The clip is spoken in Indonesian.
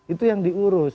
itu yang diurus